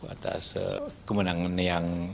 atas kemenangan yang